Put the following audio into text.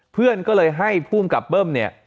เพื่อนก็เลยให้ภูมิกับเบิ้มเนี่ย